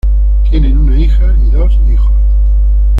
Tienen una hija y dos hijos.